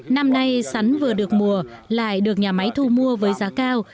năm nay sắn vừa được mùa lại được nhà máy thu mua với giá cao